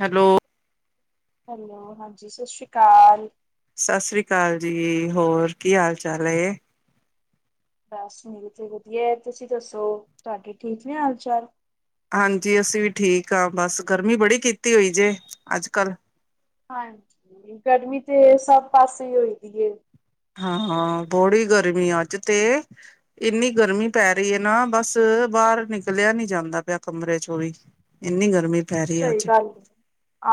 Hello hello ਹਾਂਜੀ ਸਤਿ ਸ਼੍ਰੀ ਅਕਾਲ ਸਤਿ ਸ੍ਰੀ ਅਕਾਲ ਜੀ ਹੋਰ ਕੀ ਹਾਲ ਚਾਲ ਹੈ ਬਸ ਮੇਰੇ ਤੇ ਵਧੀਆ ਤੁਸੀਂ ਦੱਸੋ ਤੁਹਾਡੇ ਠੀਕ ਨੇ ਹਾਲ ਚਾਲ ਹਾਂਜੀ ਅਸੀਂ ਵੀ ਠੀਕ ਹਾਂ ਬਸ ਗਰਮੀ ਬੜੀ ਕੀਤੀ ਹੋਈ ਜੇ ਅੱਜ ਕੱਲ ਹਾਂਜੀ ਗਰਮੀ ਤੇ ਸਭ ਪਾਸੇ ਹੋਈ ਦੀ ਏ ਹਾਂ ਹਾਂ ਬੜੀ ਗਰਮੀ ਆ ਅੱਜ ਤੇ ਇੰਨੀ ਗਰਮੀ ਪੈ ਰਹੀ ਹੈ ਨਾ ਬਸ ਬਾਹਰ ਨਿਕਲਿਆ ਨੀ ਜਾਂਦਾ ਪਿਆ ਕਮਰੇ ਚੋਂ ਵੀ ਇੰਨੀ ਗਰਮੀ ਪੈ ਰਹੀ ਹੈ ਸਹੀ ਅੱਜ, ਗੱਲ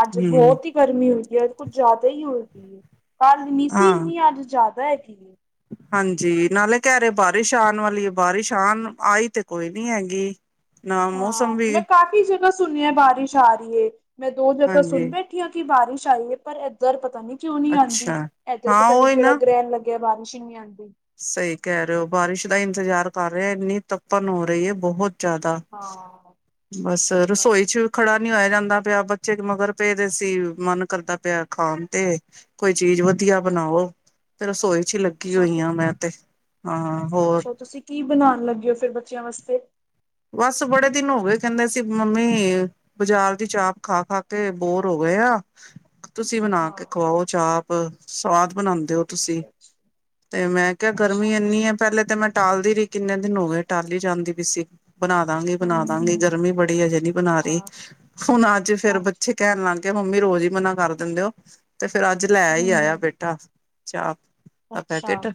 ਅੱਜ ਹੂੰ, ਬਹੁਤ ਹੀ ਗਰਮੀ ਹੋਗੀ ਹੈ ਅੱਜ ਕੁੱਛ ਜ਼ਿਆਦਾ ਹੀ ਹੋਗੀਈ ਹੈ ਕ ਇ ਨਨੀ ਸੀ ਹਾਂ। ਇੰਨੀ ਅੱਜ ਜ਼ਿਆਦਾ ਹੈਗੀ ਹਾਂਜੀ ਨਾਲੇ ਕਹਿ ਰਹੇ ਬਾਰਿਸ਼ ਆਉਣ ਵਾਲੀ ਬਾਰਿਸ਼ ਆਉਣ ਆਈ ਤੇ ਕੋਈ ਨੀ ਹੈਗੀ ਨਾ ਮੌਸਮ ਹਾਂ ਮੈਂ ਵੀ, ਕਾਫ਼ੀ ਜਗ੍ਹਾ ਸੁਣਿਆ ਬਾਰਿਸ਼ ਆ ਰਹੀ ਹੈ ਮੈਂ ਦੋ ਜਗ੍ਹਾ ਹਾਂਜੀ, ਸੁਣ ਬੈਠ ਬਠ ਆ ਕਿ ਬਾਰਿਸ਼ ਆਈ ਹੈ ਪਰ ਏਧਰ ਪਤਾ ਨੀ ਕਿਉਂ ਨਹੀਂੀ ਆਉਂਦੀ ਅੱਛਾ। ਇੱਧਰ ਹਾਂ ਪਤਾ ਨੀ ਉਹੀ ਕਿਹੜਾ ਨਾ, ਗ੍ਰਹਿਣ ਲੱ ੱ ਬਾਰਿਸ਼ ਹੀ ਨੀ ਆਉਂਦੀ ਸਹੀ ਕਹਿ ਰਹੇ ਹੋ ਬਾਰਿਸ਼ ਦਾ ਇੰਤਜ਼ਾਰ ਕਰ ਰਿਹਾ ਇੰਨੀ ਤਪਣ ਹੋ ਰਹੀ ਹੈ ਬਹੁਤ ਜ਼ਿਆਦਾ ਹਾਂ ਬਸ ਸਹੀ ਗੱਲ ਏ ਰਸੋਈ ਚ ਖੜਾ ਨੀ ਹੋਇਆ ਜਾਂਦਾ ਪਿਆ ਬੱਚੇ ਮਗਰ ਪੇਦੇ ਸੀ ਮਨ ਕਰਦਾ ਪਿਆ ਖਾਣ ਤੇ ਕੋਈ ਚੀਜ਼ ਵਧੀਆ ਬਣਾਓ ਤੇ ਰਸੋਈ ਚ ਹੀ ਲੱਗੇ ੀ ਅੱਛਾ ਫਿਰ ਹੋਈ ਹਾਂ ਮੈਂ ਤੇ ਹਾਂ ਹੋਰ ਅੱਛਾ ਤੁਸੀਂ ਕੀ ਬਣਾਉਣ ਲੱਗੇ ਹੋ ਫਿਰ ਬੱਚਿਆਂ ਵਾਸਤੇ ਬਸ ਬੜੇ ਦਿਨ ਹੋ ਗਏ ਕਹਿੰਦੇ ਸੀ ਮੰਮੀ ਬਾਜ਼ਾਰ ਦੀ ਚਾਪ ਖਾ ਖਾ ਕੇ ਬੋਰ ਹੋ ਗਏ ਆ ਤੁਸੀਂ ਬਣਾ ਹਾਂ ਕੇ ਖਵਾਓ ਚਾਪ ਸਵਾਦ ਬਣਾਉਂਦੇ ਦਿਓ ਤੁਸੀਂ ਅੱਛਾ ਅੱਛਾ ਤੇ ਮੈਂ ਕਿਹਾ ਗਰਮੀ ਅੱਛਾ ਇੰਨੀ ਹੈ ਅੱਛਾ ਪਹਿਲੇ ਤੇ ਮੈਂ ਟਾਲਦੀ ਰਹੀ ਕਿੰਨੇ ਦਿਨ ਹੋ ਗਏ ਟਾਲ ਹੀ ਜਾਂਦੀ ਪੀ ਸੀ ਬਣਾ ਦਾਂਗੀ ਬਣਾ ਹਮ ਦਾਂਗੀ ਹਮ ਗਰਮੀ ਬੜੀ ਹਜੇ ਨਹੀਂੀ ਬਣਾ ਰਹੀ ਹਾਂ ਹੁਣ ਅੱਜ ਫੇਰ ਹਾਂਜੀ ਬੱਚੇ ਕਹਿਣ ਲੱਗ ਗਏ ਕਿਹਾ ਮੰਮੀ ਰੋਜ਼ ਹੀ ਮਨਾ ਕਰ ਦਿੰਦੇ ਹੋ ਤੇ ਫੇਿਰ ਅੱਜ ਲੈ ਹੀ ਆਇਆ ਹਮ ਬੇਟਾ ਚਾਪ ਦਾ ਅੱਛਾ ਪੈਕੇਟ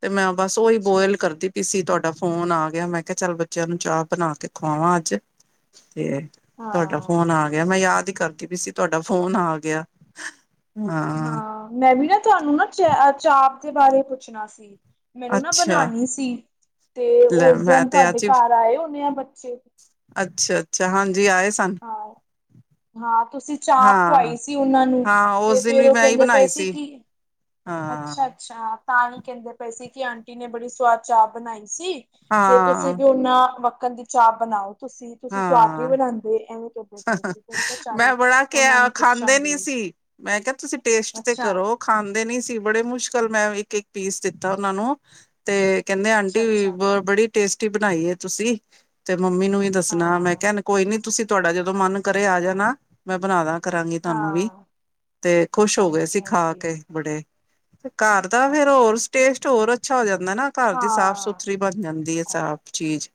ਤੇ ਮੈਂ ਬਸ ਉਹੀ ਅੱਛਾ ਬੋਇਲ ਕਰਦੀ ਕਿਸਸੀ ਤੁਹਾਡਾ ਫੋਨ ਆ ਗਿਆ ਮੈਂ ਕਿਹਾ ਚੱਲ ਬੱਚਿਆਂ ਨੂੰ ਚਾਪ ਬਣਾ ਕੇ ਖਵਾਵਾਂ ਅੱਜ ਤੇ ਤੁਹਾਡਾ ਹਾਂ ਫੋਨ ਆ ਗਿਆ ਮੈਂ ਯਾਦ ਹੀ ਕਰਦੀ ਪੀ ਸੀ ਤੁਹਾਡਾ ਫੋਨ ਆ ਗਿਆ ਹਾਂ ਮੈਂ ਵੀ ਨਾ ਤੁਹਾਨੂੰ ਨਾ ਚ ਚਾਪ ਦੇ ਬਾਰੇ ਪੁੱਛਣਾ ਸੀ ਮੈਨੂੰ ਨਾ ਅੱਛਾ ਬਣਾਉਣੀ ਸੀ ਤੇ ਲੈ ਉਸ ਮੈਂ ਦਿਨ ਤੇ ਤੁਹਾਡੇ ਅੱਜ ਹੀ, ਘਰ ਆਏ ਹੋਨੇ ਆ ਬੱਚੇ ਅੱਛਾ ਅੱਛਾ ਹਾਂਜੀ ਆਏ ਸੀ ਹਾਂ ਹਾਂ ਤੁਸੀਂ ਚਾਪ ਹਾਂ। ਖਵਾਈ ਸੀ ਉਹਨਾਂ ਨੂੰ ਹਾਂ ਤੇ ਉਸ ਦਿਨ ਫੇਰ ਵੀ ਉਹ ਮੈਂ ਹੀ ਕਹਿੰਦੇ ਪਏ ਬਣਾਈ ਸੀ ਕੀ ਹਾਂ ਅੱਛਾ ਅੱਛਾ ਤਾਂ ਹੀ ਕਹਿੰਦੇ ਪਏ ਸੀ ਕਿ ਆਂਟੀ ਨੇ ਬੜੀ ਸਵਾਦ ਚਾਪ ਬਣਾਈ ਸੀ ਤੇ ਤੁਸੀਂ ਹਾਂ ਵੀ ਉਹਨਾਂ ਮੱਖਣ ਦੀ ਚਾਪ ਬਣਾਓ ਤੁਸੀਂ ਤੁਸੀਂ ਸੁਵਾਦ ਹੀ ਹਾਂ ਬਣਾਉਂਦੇ ਐਵੇਂ ਕਿਊ ਪਏ ਸੀ ਤੇ ਮੈਂ ਕਿਹਾ ਚੱਲੀ ਬੜਾ ਉਹਨਾਂ ਕਿਹਾ ਨੂੰ ਖਾਂਦੇ ਪੁੱਛਾਂਗੀ ਨੀ ਵੀ ਸੀ ਮੈਂ ਕਿਹਾ ਤੁਸੀਂ ਟੇਸਟ ਤੇ ਕਰੋ ਖਾਂਦੇ ਨੀ ਸੀ ਬੜੇ ਮੁਸ਼ਕਿਲ ਮੈਂ ਇੱਕ ਇੱਕ ਪੀਸ ਦਿੱਤਾ ਉਹਨਾਂ ਨੂੰ ਤੇ ਕਹਿੰਦੇ ਅੱਛਾ ਆਂਟੀ ਅੱਛਾ ਬ ਬੜੀ ਟੇਸਟੀ ਬਣਾਈ ਹੈ ਤੁਸੀਂ ਤੇ ਮੰਮੀ ਨੂੰ ਵੀ ਦੋ ਮੈਂ ਹਾਂ। ਕਹਿਣ ਕੋਈ ਨੀ ਤੁਸੀਂ ਤੁਹਾਡਾ ਜਦੋਂ ਮਨ ਕਰੇ ਆ ਜਾਣਾ ਮੈਂ ਬਣਾ ਦ ਕਰਾਂਗੀ ਤੁਹਾਨੂੰ ਵੀ ਹਾਂ ਤੇ ਖੁਸ਼ ਹੋ ਗਏ ਹਾਂਜੀ ਸੀ ਖਾ ਹਾਂਜੀ ਕੇ ਬੜੇ ਤੇ ਘਰ ਦਾ ਅੱਛਾ ਫੇਰ ਅੱਛਾ ਹੋਰ ਟੇਸਟ ਹੋਰ ਅੱਛਾ ਹੋ ਜਾਂਦਾ ਨਾ ਘਰ ਦੀ ਸਾਫ਼ ਹਾਂ। ਸੁਥਰੀ ਬਣ ਜਾਂਦੀ ਹੈ ਸਫ਼ ਚੀਜ਼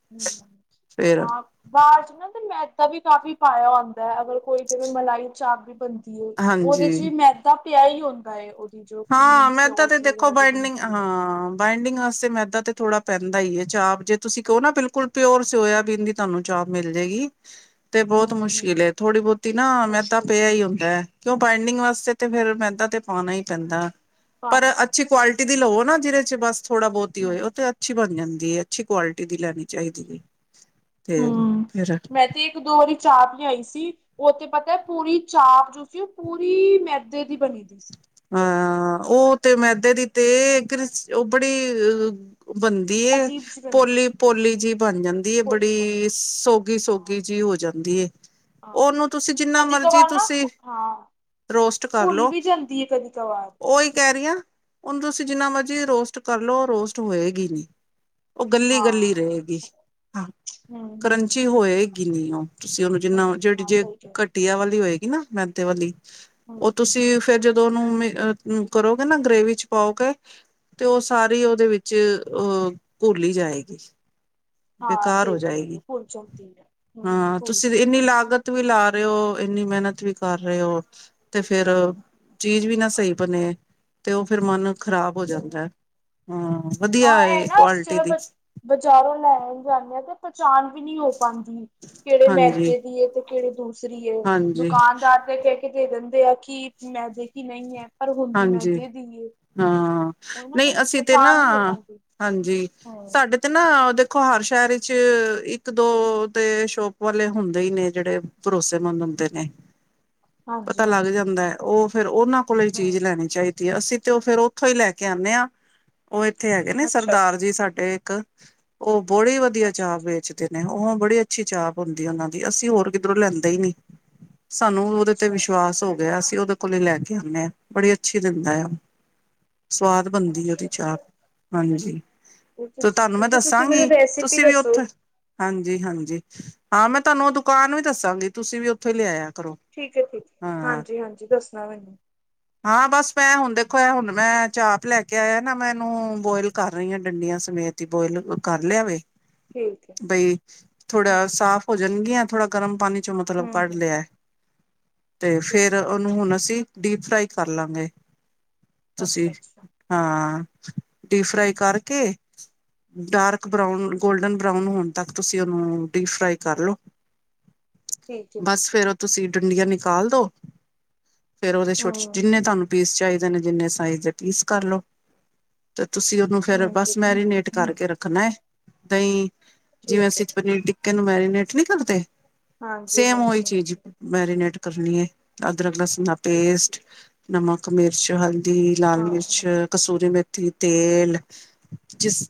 ਫੇਿਰ ਬਾਅਦ ਚ ਨਾ ਤੇ ਮੈਦਾ ਵੀ ਕਾਫ਼ੀ ਪਾਇਆ ਹੁੰਦਾ ਹੈ ਅਗਰ ਕੋਈ ਜਿਵੇਂ ਮਲਾਈ ਚਾਪ ਵੀ ਬਣਦੀ ਉਹਦੇ ਚ ਵੀ ਹਾਂਜੀ ਮੈਦਾ ਪਿਆ ਹੀ ਹੁੰਦਾ ਜੋ ਕਰੀਮ ਹਾਂ ਮੈਂ ਤਾਂ ਤੇ ਸੋਸ ਦੇਖੋ ਵਗੈਰਾ ਜੋ ਬਾਈਡਿੰਗ ਬਣਦੀ ਹੈ। ਹਾਂ ਬਾਈਡਿੰਗ ਹ ਤੇ ਮੈਦਾ ਤੇ ਥੋੜਾ ਪੈਂਦਾ ਹੀ ਹੈ ਚ ਆਪ ਜੇ ਤੁਸੀਂ ਕਹੋ ਨਾ ਬਿਲਕੁਲ ਪਿਓਰ ਸੋਇਆਬੀਨ ਦੀ ਤੁਹਾਨੂੰ ਚਾਹ ਮਿਲ ਜਾਏਗੀ ਤੇ ਬਹੁਤ ਹਮ ਮੁਸ਼ਕਿਲ ਹਮ ਹੈ ਥੋੜੀ ਬਹੁਤੀ ਨਾ ਮੈਂ ਤਾਂ ਮੁਸ਼ਕਿਲ ਪਿਆ ਹੀ ਹੁੰਦਾ ਹੈ ਕਿਉਂ ਬਾਇਡਿੰਗ ਵਾਸਤੇ ੇ ਤੇ ਫੇਰ ਹਮ ਮੈਦਾ ਤੇ ਪਾਉਣਾ ਹੀ ਪੈਂਦਾ ਪਰ ਪਾਣਾ ਅੱਛੀ ਪੈਂਦਾ ਸਹੀ ਕੁਆਲਿਟੀ ਗੱਲ ਦੀ ਲਵੋ ਨਾ ਜਿਹਦੇ ਚ ਬਸ ਥੋੜਾ ਬਹੁਤ ਹੀ ਹੋਏ ਉਹ ਹਮ ਤੇ ਅੱਛੀ ਬਣ ਜਾਂਦੀ ਹੈ ਅੱਛੀ ਕੁਆਲਿਟੀ ਦੀ ਲੈਣੀ ਚਾਹੀਦੀ ਹੈ ਤੇ ਹਮ ਫੇਰ ਮੈਂ ਤੇ ਇੱਕ ਦੋ ਵਾਰੀ ਚਾਪ ਲਿਆਈ ਸੀ ਉਹ ਤੇ ਪਤਾ ਪੂਰੀ ਚਾਪ ਜੋ ਤੁਸੀਂ ਉਹ ਪੂਰੀ ਮੈਦੇ ਦੀ ਬਣੀ ਦੀ ਸੀ ਹਾਂ ਉਹ ਤੇ ਮੈਦੇ ਦੀ ਤੇਰ ਉਹ ਬੜੀ ਬ ਅਜੀਬ ਸੀ ਬਣਦੀ ਪੋਲੀ ਪੋਲੀ ਜਿਹੀ ਬਣ ਜਾਂਦੀ ਏ ਪੋਲੀ ਪੋਲੀ ਬੜੀ ਸੋਗੀ ਹਾਂ ਸੋਗੀ ਜੀ ਹੋ ਜਾਂਦੀ ਏ ਹਾਂ ਉਹਨੂੰ ਤੁਸੀਂ ਜਿੰਨਾ ਕਦੀ ਕ ਮਰਜੀ ਵਾਰ ਨਾ ਤੁਸੀਂ ਹਾਂ ਰੋਸਟ ਕਰ ਭੁੱਲ ਲਓ ਵੀ ਜਾਂਦੀ ਆ ਕਦੀ ਸਵਾ [unintelligible] ਉਹੀ ਕਹਿ ਰਹੀ ਹਾਂ ਹੁਣ ਤੁਸੀਂ ਜਿੰਨਾ ਮਰਜ਼ੀ ਰੋਸਟ ਕਰ ਲਓ ਰੋਸਟ ਹੋਏਗੀ ਨਹੀਂ ਉਹ ਗੱਲੀ ਗੱਲੀ ਹਾਂ ਰਹੇਗੀ ਹਮ ਹਮ ਕਰੰਚੀ ਹੋਏਗੀ ਨੀ ਉਹ ਤੁਸੀਂ ਉਹਨੂੰ ਜਿੰਨਾ ਜਿਹੜੀ ਹਾਂ ਜੇ ਸਹੀ ਕਹਿ ਘਟੀਆ ਵਾਲੀ ਹੋਏਗੀ ਨਾ ਮਹਿੰਦੇ ਵਾਲੀ ਉਹ ਹਮ ਤੁਸੀਂ ਫੇਰ ਜਦੋਂ ਦੋਨ ਨੂੰ ਅ ਕਰੋਗੇ ਨਾ ਗਰੇਵੀ ਚ ਪਾਓਗੇ ਤੇ ਉਹ ਸਾਰੀ ਉਹਦੇ ਵਿੱਚ ਅਹ ਘੋਲੀ ਜਾਏਗੀ ਹਾਂ ਬੇਕਾਰ ਹੋ ਸਹੀ ਕਹਿ ਰਹੀ ਜਾਏਗੀ ਭੁੱਲ ਜਾਂਦੀ ਹੈ ਹਮ ਹਾਂ ਭੁੱਲ ਤੁਸੀਂ ਇੰਨੀ ਜਾਂਦੀ ਲਾਗਤ ਵੀ ਲਾ ਰਹੇ ਹੋ ਇੰਨੀ ਮਿਹਨਤ ਵੀ ਕਰ ਰਹੇ ਹੋ ਤੇ ਫੇਰ ਚੀਜ਼ ਵੀ ਨਾ ਸਹੀ ਬਣੇ ਤੇ ਉਹ ਫੇਿਰ ਮਨ ਖ਼ਰਾਬ ਹੋ ਸਹੀ ਜਾਂਦਾ ਹਮ ਵਧੀਆ ਕੁਆਲਿਟੀ ਦੀ ਬਜ਼ਾਰੋਂ ਲੈਣ ਜਾਂਦੇ ਹਾਂ ਤੇ ਪਚਾਣ ਵੀ ਨਹੀਂੀ ਹੋ ਪਾਉਂਦੀ ਕਿਹੜੇ ਹਾਂਜੀ ਮੈਦੇ ਦੀ ਤੇ ਕਿਹੜੇ ਦੂਸਰੀ ਹਾਂਜੀ ਦੁਕਾਨਦਾਰ ਤੇ ਕਹਿ ਕੇ ਦੇ ਦਿੰਦੇ ਆ ਕਿ ਮੈਂ ਦੇਖੀ ਨਹੀਂ ਹੈ ਪਰ ਹੁੰਦੀ ਮੈਂ ਹਾਂਜੀ ਅੱਜੇ ਦੀਏ ਹਾਂ ਨਹੀਂ ਅਸੀਂ ਤੇ ਨਾ ਨਹੀਂ ਹੋ ਪਾਉਂਦੀ ਹਾਂਜੀ ਹਮ ਸਾਡੇ ਤੇ ਨਾ ਦੇਖੋ ਹਰ ਸ਼ਹਿਰ ਵਿੱਚ ਇੱਕ ਦੋ ਤੇ ਸ਼ੋਪ ਵਾਲੇ ਹੁੰਦੇ ਹੀ ਨੇ ਜਿਹੜੇ ਭਰੋਸੇ ਮੰਨ ਹੁੰਦੇ ਨੇ [inaudible] ਪਤਾ ਲੱਗ ਹਾਂਜੀ ਜਾਂਦਾ ਹੈ ਉਹ ਫੇਿਰ ਉਹਨਾਂ ਕੋਲੇ ਚੀਜ਼ ਹਮ ਲੈਣੀ ਚਾਹੀਦੀ ਹੈ ਅਸੀਂ ਤੇ ਉਹ ਫੇਿਰ ਉੱਥੋਂ ਹੀ ਲੈ ਕੇ ਆਉਂਦੇ ਹਾਂ ਉਹ ਇੱਥੇ ਹੈਗੇ ਨੇ ਅੱਛਾ ਸਰਦਾਰ ਜੀ ਅੱਛਾ ਸਾਡੇ ਇੱਕ ਉਹ ਬਹੁੜੀ ਵਧੀਆ ਅੱਛਾ ਚਾਹ ਵੇਚਦੇ ਨੇ ਉਹ ਬੜੀ ਅੱਛੀ ਚਾਹ ਹੁੰਦੀ ਉਹਨਾਂ ਦੀ ਅਸੀਂ ਹੋਰ ਕਿੱਧਰੋਂ ਲੈਂਦੇ ਹੀ ਨੀ ਸਾਨੂੰ ਉਹਦੇ ਤੇ ਅੱਛਾ ਅੱਛਾ ਵਿਸ਼ਵਾਸ ਹੋ ਗਿਆ ਅਸੀਂ ਉਹਦੇ ਕੋਲ ਲੈ ਕੇ ਆਉਂਦੇ ਹਾਂ ਬੜੀ ਅੱਛੀ ਦਿੰਦਾ ਆ ਸਵਾਦ ਅੱਛਾ ਬਣਦੀ ਉਹਦੀ ਅੱਛਾ ਚਾਹ ਅੱਛਾ ਹਾਂਜੀ ਤੇ ਤੁਹਾਨੂੰ ਮੈਂ ਤੁਸੀਂ ਤੁਸੀਂ ਮੈਨੂੰ ਦੱਸਾਂਗੀ ਰੈਸਿਪੀ ਤੁਸੀਂ ਵੀ ਦੱਸੋ ਉੱਥੇ ਹਾਂਜੀ ਹਾਂਜੀ ਹਾਂ ਮੈਂ ਤੁਹਾਨੂੰ ਉਹ ਦੁਕਾਨ ਵੀ ਦੱਸਾਂਗੀ ਤੁਸੀਂ ਵੀ ਉੱਥੇ ਲਿਆਇਆ ਕਰੋ ਠੀਕ ਠੀਕ ਹਾਂ ਹਾਂਜੀ ਹਾਂਜੀ ਦੱਸਣਾ ਮੈਨੂੰ ਹਾਂ ਬਸ ਮੈਂ ਹੁਣ ਦੇਖੋ ਹੁਣ ਮੈਂ ਚਾਪ ਲੈ ਕੇ ਆਇਆ ਨਾ ਮੈਂ ਇਹਨੂੰ ਬੋਇਲ ਕਰ ਰਹੀ ਹਾਂ ਡੰਡੀਆਂ ਸਮੇਤ ਬੋਇਲ ਕਰ ਲਿਆਵੇ ਠੀਕ ਹੈ ਬਈ ਥੋੜਾ ਹਾਂਜੀ ਸਾਫ਼ ਹੋ ਜਾਣਗੀਆਂ ਥੋੜਾ ਗਰਮ ਪਾਣੀ ਚ ਮਤਲਬ ਹਮ ਕੱਢ ਹਮ ਲਿਆ ਤੇ ਠੀਕ ਫੇਰ ਹੈ ਠੀਕ ਉਹਨੂੰ ਹੈ ਹੁਣ ਅਸੀਂ ਡੀਪ ਫਰਾਈ ਕਰ ਲਾਂਗੇ ਤੁਸੀਂ ਅੱਛਾ ਅੱਛਾ ਹਾਂ ਡੀਪ ਫਰਾਈ ਹਮ, ਕਰਕੇ ਡਾਰਕ ਬਰਾਊਨ ਗੋਲਡਨ ਬਰਾਊਨ ਹੋਣ ਤੱਕ ਤੁਸੀਂ ਉਹਨੂੰ ਡੀਪ ਫਰਾਈ ਕਰ ਲਓ [inaudible] ਹੈ ਬਸ ਠੀਕ ਹੈ ਫੇਰ ਉਹ ਤੁਸੀਂ ਡੁੰਡੀਆਂ ਨਿਕਾਲ ਦੋ ਫੇਰ ਉਹਦੇ ਛੋਟੇ ਹਮ ਜਿੰਨੇ ਤੁਹਾਨੂੰ ਪੀਸ ਚਾਹੀਦੇ ਨੇ ਜਿੰਨੇ ਸਾਈਜ਼ ਦੇ ਪੀਸ ਕਰ ਲਓ ਤੇ ਤੁਸੀਂ ਨੂੰ ਫਿਰ ਹਮ ਬਸ ਠੀਕ ਮੈਰੀਨੇਟ ਹੈ ਕਰਕੇ ਰੱਖਣਾ ਹੈ ਦਹੀਂ ਜਿਵੇਂ ਠੀਕ ਹੈ ਸੀ ਪਨੀਰ ਟਿੱਕਾ ਇਹਨੂੰ ਮੈਰੀਨੇਟ ਨਹੀਂ ਕਰਦੇ ਹਾਂਜੀ ਸੇਮ ਉਹੀ ਹਾਂਜੀ ਚੀਜ਼ ਹਾਂਜੀ ਮੈਰੀਨੇਟ ਕਰਨੀ ਹੈ ਅਦਰਕ ਲਸਣ ਦਾ ਠੀਕ ਹੈ ਪੇਸਟ ਠੀਕ ਹੈ ਨਮਕ ਮਿਰਚ ਹਲਦੀ ਲਾਲ ਹਾਂ ਮਿਰਚ ਹਾਂ ਕਸੂਰੀ ਮੇਥੀ ਤੇਲ ਜਿਸ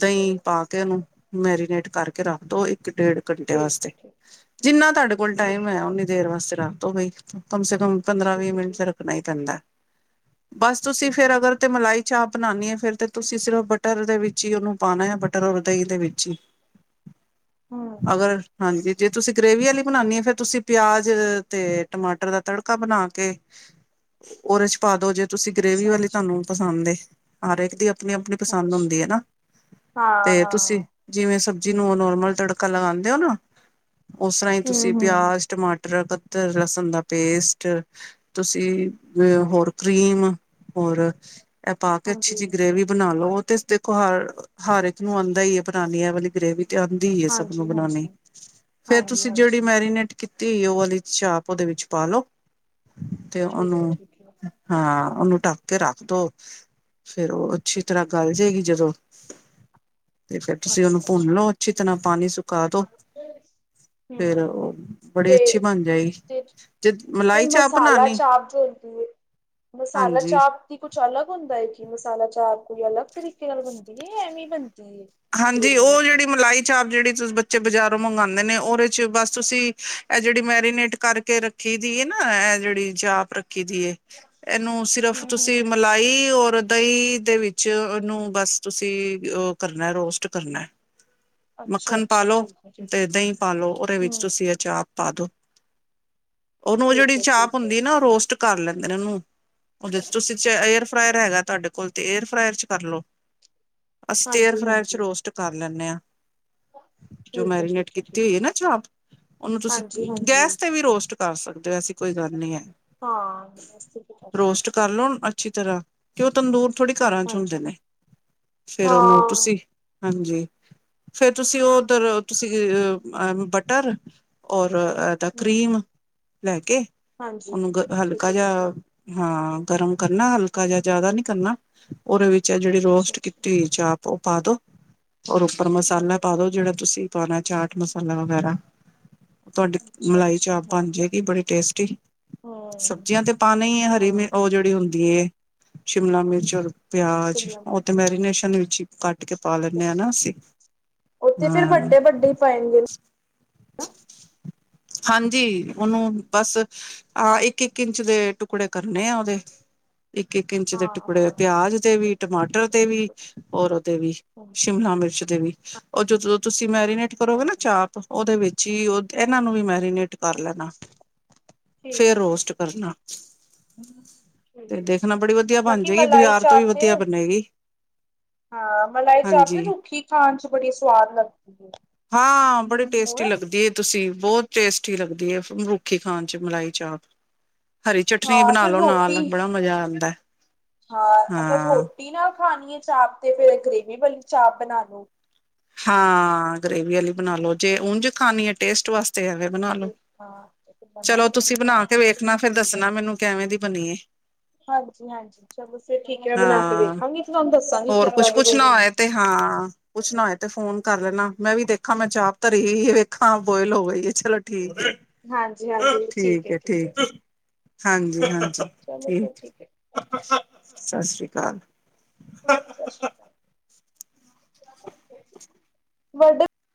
ਦਹੀਂ ਪਾ ਕੇ ਉਹਨੂੰ ਮੈਰੀਨੇਟ ਕਰਕੇ ਰੱਖ ਦੋ ਇੱਕ ਡੇਢ ਘੰਟੇ ਠੀਕ ਵਾਸਤੇ ਹੈ ਠੀਕ ਜਿੰਨਾ ਤੁਹਾਡੇ ਕੋਲ ਟਾਈਮ ਹੈ ਉਓਨੀ ਦੇਰ ਵਾਸਤੇ ਰਾਤ ਹੋ ਬਈ ਕਮ ਸੇ ਕਮ ਪੰਦਰਾਂ ਵੀਹ ਠੀਕ ਮਿੰਟ ਹੈ ਚ ਰੱਖਣਾ ਹੀ ਪੈਂਦਾ ਬਸ ਤੁਸੀਂ ਠੀਕ ਠੀਕ ਫੇਰ ਹੈ ਅਗਰ ਤੇ ਮਲਾਈ ਚਾਹ ਬਣਾਉਂਣੀ ਹੈ ਫਿਰ ਤੇ ਤੁਸੀਂ ਸਿਰਫ ਬਟਰ ਦੇ ਵਿੱਚ ਹੀ ਉਹਨੂੰ ਪਾਉਣਾ ਆ ਬਟਰ ਔਰ ਦਹੀਂ ਦੇ ਵਿੱਚ ਹੀ [inaudible] ਹਮ ਹਮ ਅਗਰ ਹਾਂਜੀ ਜੇ ਤੁਸੀਂ ਗ੍ਰੇਵੀ ਵਾਲੀ ਬਣਾਉਣੀ ਹ ਫੇਿਰ ਤੁਸੀਂ ਪਿਆਜ਼ ਅਤੇ ਟਮਾਟਰ ਦਾ ਤੜਕਾ ਬਣਾ ਕੇ ਕੇ ਉਹਦੇ ਚ ਪਾ ਦੋ ਜੇ ਤੁਸੀਂ ਗ੍ਰੇਵੀ ਅੱਛਾ ਵਾਲੀ ਅੱਛਾ ਤੁਹਾਨੂੰ ਪਸੰਦ ਏ ਹਰ ਇੱਕ ਦੀ ਆਪਣੀ ਆਪਣੀ ਪਸੰਦ ਅੱਛਾ ਹੁੰਦੀ ਹੈ ਨਾ ਹਾਂ ਤੇ ਤੁਸੀਂ ਹਾਂ ਜਿਵੇਂ ਸਬਜ਼ੀ ਨੂੰ ਨੋਰਮਲ ਤੜਕਾ ਲਗਾਉਂਦੇ ਹੋ ਨਾ ਉਸ ਤਰ੍ਹਾਂ ਹੀ ਤੁਸੀਂ ਹਮ ਹਮ ਪਿਆਜ ਟਮਾਟਰ ਕਕਤ ਲਸਣ ਦਾ ਪੇਸਟ ਤੁਸੀਂ ਅ ਹੋਰ ਕਰੀਮ ਹੋਰ ਇਹ ਪਾ ਕੇ ਅੱਛੀ ਹਾਂਜੀ ਜਿਹੀ ਹਾਂਜੀ ਗ੍ਰੇਵ ਬਣਾ ਉਹ ਤੇ ਦੇਖੋ ਹਰ ਹਰ ਇੱਕ ਨੂੰ ਆਉਂਦਾ ਹੀਈ ਹੈ ਬਣੀ ਹੈ ਵਾਲੀ ਗ੍ਰੇਵੀ ਆਉਂਦੀ ਹੈ ਸਭ ਨੂੰ ਹਾਂਜੀ ਹਾਂਜੀ ਬਣਾਉਣੀ ਫਿਰ ਹਾਂਜੀ ਤੁਸੀਂ ਜਿਹੜੀ ਹਾਂਜੀ ਮੈਰੀਨੇਟ ਕੀਤੀ ਉਹ ਵਾਲੀ ਚਾਪ ਉਹਦੇ ਵਿੱਚ ਪਾ ਲੋ ਤੇ ਉਹਨੂੰ ਠੀਕ ਹੈ ਠੀਕ ਹੈ ਹਾਂ ਉਹਨੂੰ ਢੱਕ ਕੇ ਰੱਖ ਦੋ ਫਿਰ ਉਹ ਅੱਛੀ ਤਰ੍ਹਾਂ ਗੱਲ ਜਾਏਗੀ ਜਦੋਂ ਤੇ ਫਿਰ ਤੁਸੀਂ ਉਹਨੂੰ ਭੁੰਨ ਅੱਛਾ-ਅੱਛਾ, ਲਓ ਅੱਛੀ ਤਰ੍ਹਾਂ ਪਾਣੀ ਸੁਕਾ ਦੋ ਫਿਰ ਹੂੰ ਉਹ ਬੜੀ ਅੱਛੀ ਤੇ, ਬਣ ਜਾਏ ਤੇ ਜ ਤੇ ਮਸਾਲਾ ਚਾਪ ਜੋ ਹੁੰਦੀ ਹੈ ਮਸਾਲਾ ਹਾਂਜੀ ਚਾਪ ਕੁਛ ਅਲੱਗ ਹੁੰਦਾ ਹੈ ਕਿ ਮਸਾਲਾ ਚਾਰ ਕੋਈ ਅਲੱਗ ਤਰੀਕਾ ਬਣਦੀ ਹੈ ਐਵੇਂ ਬਣਦੀ ਹੈ ਹਾਂਜੀ ਗਰੇਵੀ ਵ ਉਹ ਜਿਹੜੀ ਮਲਾਈ ਚਾਪ ਜਿਹੜੀ ਤੁਂ ਬੱਚੇ ਬਜ਼ਾਰੋਂ ਮੰਗਵਾਉਂਦੇ ਨੇ ਉਹਦੇ ਚ ਬਸ ਤੁਸੀਂ ਇਹ ਜਿਹੜੀ ਮੈਰੀਨੇਟ ਕਰਕੇ ਰੱਖੀ ਰੱਖੀ ਦੀ ਨਾ ਇਹ ਜਿਹੜੀ ਚਾਂਪ ਰੱਖੀ ਦੀ ਇਹਨੂੰ ਸਿਰਫ਼ ਤੁਸੀਂ ਹੂੰ-ਹੂੰ, ਮਲਾਈ ਔਰ ਦਹੀਂ ਦੇ ਵਿੱਚ ਇਹਨੂੰ ਬਸ ਤੁਸੀਂ ਕਰਨਾ ਰੋਸਟ ਕਰਨਾ ਮੱਖਣ ਅੱਛਾ-ਅੱਛਾ ਪਾਲੋ ਠੀਕ ਹੈ ਠੀਕ ਤੇ ਹੈ, ਦਹੀਂ ਪਾਲੋ ਉਹਦੇ ਵਿੱਚ ਹੂੰ ਤੁਸੀਂ ਅਚਾਰ ਪਾ ਦੋ ਉਹਨੂੰ ਉਹ ਜਿਹੜੀ ਠੀਕ ਹੈ ਚਾਪ ਠੀਕ ਹੈ। ਹੁੰਦੀ ਨਾ ਰੋਸਟ ਕਰ ਲੈਂਦੇ ਨੇ ਉਹਨੂੰ ਉਹਦੇ ਤੁਸੀਂ ਏਅਰ ਫਰਾਇਰ ਹੈਗਾ ਤੁਹਾਡੇ ਕੋਲ ਤੇ ਏਅਰ ਫਰਾਇਰ ਚ ਕਰਲੋ ਅਸੀਂ ਏਅਰ ਫਰਾਈ ਚ ਹਾਂਜੀ-ਹਾਂਜੀ। ਰੋਸਟ ਕਰ ਲੈਂਦੇ ਹਾਂ ਜੋ ਠੀਕ ਹੈ ਮੈਰੀਨੇਟ ਠੀਕ ਕੀਤੀ ਠੀਕ ਹੋਈ ਹੈ ਨਾ ਚਾਪ ਉਹਨੂੰ ਤੁਸੀਂ ਹਾਂਜੀ-ਹਾਂਜੀ ਗੈਸ ਤੇ ਵੀ ਰੋਸਟ ਕਰ ਸਕਦੇ ਹੋ ਐਸੀ ਕੋਈ ਗੱਲ ਨਹੀਂ ਹੈ ਹਾਂ ਰੋਸਟ ਕਰ ਲਣ ਅੱਛੀ ਤਰ੍ਹਾਂ ਕਿ ਉਹ ਤੰਦੂਰ ਥੋੜੇ ਘਰਾਂ ਚ ਹੁੰਦੇ ਹਾਂਜੀ, ਨੇ ਫਿਰ ਉਹਨੂੰ ਹਾਂ, ਤੁਸੀਂ ਹਾਂਜੀ ਫਿਰ ਤੁਸੀਂ ਉਹ ਉੱਧਰ ਤੁਸੀਂ ਬਟਰ ਔਰ ਹੂੰ ਕਰੀਮ ਲੈ ਕੇ ਹਾਂਜੀ, ਉਹਨੂੰ ਠੀਕ ਹਲਕਾ ਹੈ ਠੀਕ ਜਿਹਾ ਹੈ, ਹਾਂ ਗਰਮ ਕਰਨਾ ਹਲਕਾ ਜਾਂ ਜ਼ਿਆਦਾ ਨੀ ਕਰਨਾ ਉਹਦੇ ਵਿੱਚ ਜਿਹੜੀ ਰੋਸਟ ਅੱਛਾ-ਅੱਛਾ। ਕੀਤੀ ਹੋਈ ਚਾਪ ਉਹ ਪਾ ਦੋ ਔਰ ਉੱਪਰ ਮਸਾਲਾ ਪਾ ਦੋ ਜਿਹੜਾ ਤੁਸੀਂ ਪਾਣਾ ਚਾਟ ਮਸਾਲਾ ਵਗੈਰਾ ਤੁਹਾਡੀ ਅੱਛਾ ਮਲਾਈ ਅੱਛਾ ਚਾਪ ਹਾਂ ਬਣ ਜਾਏਗੀ ਬੜੀ ਟੇਸਟੀ ਹਮ ਸਬਜ਼ੀਆਂ ਤੇ ਪਾਉਣਾ ਹੀ ਹੈ ਹਰੀ ਹਾਂ ਮ ਉਹ ਜਿਹੜੀ ਹੁੰਦੀ ਸ਼ਿਮਲਾ ਮਿਰਚ ਪਿਆਜ ਸ਼ਿਮਲਾ ਉਹ ਤੇ ਮਿਰਚ ਮੈਰੀਨੇਸ਼ਨ ਵਿੱਚ ਹੀ ਕੱਟ ਕੇ ਪਾ ਲੈਂਦੇ ਹਾਂ ਨਾ ਅਸੀਂ ਉਹਥੇ ਫਿਰ ਹਾਂ ਵੱਡੇ ਵੱਡੇ ਪਏਗੇ ਹਾਂਜੀ ਉਹਨੂੰ ਬਸ ਆਹ ਇੱਕ ਇੱਕ ਇੰਚ ਦੇ ਟੁਕੜੇ ਕਰਨੇ ਆ ਉਹਦੇ ਇੱਕ ਇੱਕ ਇੰਚ ਦੇ ਹਾਂ ਟੁਕੜੇ ਹਾਂ ਪਿਆਜ ਦੇ ਵੀ ਟਮਾਟਰ ਦੇ ਵੀ ਠੀਕ ਹੈ ਹੋਰ ਉਹਦੇ ਵੀ ਹਾਂਜੀ ਸ਼ਿਮਲਾ ਮਿਰਚ ਦੇ ਵੀ ਉਹ ਜਦੋਂ ਤੁਸੀਂ ਮੈਰੀਨੇਟ ਕਰੋਗੇ ਨਾ ਹਾਂਜੀ ਚਾਪ ਉਹਦੇ ਵਿੱਚ ਹੀ ਉੱਥੇ ਇਹਨਾਂ ਨੂੰ ਹਮ ਵੀ ਮੈਰੀਨੇਟ ਕਰ ਲੈਣਾ ਠੀਕ ਫੇਿਰ ਹੈ ਰੋਸਟ ਕਰਨਾ ਠੀਕ ਤੇ ਹੈ ਦੇਖਣਾ ਬੜੀ ਵਧੀਆ ਬਣ ਬਾਕੀ ਜਾਏਗੀ ਮਲਾਈ ਬਾਜ਼ਾਰ ਤੋਂ ਵੀ ਚਾਪ ਤੇ ਵਧੀਆ ਬਣੇਗੀ ਹਾਂ ਮਲਾਈ ਚਾਪ ਹਾਂਜੀ ਰੁੱਖੀ ਖਾਣ ਚ ਬੜੀ ਸਵਾਦ ਲੱਗਦੀ ਹੈ ਵਧੀਆ ਤੁਸੀਂ ਬਹੁਤ ਟੇਸਟੀ ਲੱਗਦੀ ਮਰੁਖੀ ਖਾਣ ਚ ਮਲਾਈ ਚਾਪ ਹਰੀ ਚਟਨੀ ਹਾਂ ਬਣਾ ਫਿਰ ਲੋ ਰੋਟੀ ਨਾਲ ਬੜਾ ਮਜ਼ਾ ਆਉਂਦਾ ਹਾਂ ਦੀਨਾ ਖਾਣੀ ਹੈ ਚਾਪ ਤੇ ਫਿਰ ਗਰੇਵੀ ਵਾਲੀ ਚਾਪ ਬਣਾਨੂੰ ਹਾਂ ਗਰੇੇਵੀ ਵਾਲੀ ਬਣਾ ਲੋ ਜੇ ਉਂਝ ਖਾਣੀ ਹੈ ਟੇਸਟ ਵਾਸਤੇ ਐਵੇਂ ਬਣਾ ਲੋ ਤੇ ਹਾਂ ਚਲੋ ਤੁਸੀਂ ਬਣਾ ਕੇ ਵੇਖਣਾ ਫਿਰ ਦੱਸਣਾ ਮੈਨੂੰ ਕਿਵੇਂ ਦੀ ਬਣੀਏ ਹਾਂਜੀ ਹਾਂਜੀ ਚਲੋ ਫਿਰ ਠੀਕ ਹੈ ਮੈਂ ਬਣਾ ਕੇ ਹਾਂ ਵੇਖਾਂਗੀ ਤੁਹਾਨੂੰ ਦੱਸਾਂਗੀ ਹੋਰ ਕਿੱਦਾਂ ਕੁਛ ਦੀ ਬਣੀ ਪੁੱਛਣਾ ਏ ਤੇ ਹਾਂ ਪੁੱਛਣਾ ਹੋਏ ਤੇ ਫੋਨ ਕਰ ਲੈਣਾ ਮੈਂ ਵੀ ਦੇਖਾ ਮੈਂ ਚਾਹਪ ਧਰੀ ਵੇਖਾਂ ਬੋਇਲ ਹੋ ਗਈ ਚ ਠੀਕ ਹੈ ਠੀਕ ਹੈ ਠੀਕ ਹਾਂਜੀ ਹਾਂਜੀ ਚਲੋ ਠੀਕ ਫਿਰ ਹੈ ਸਤਿ ਸ੍ਰੀ ਅਕਾਲ [inaudible]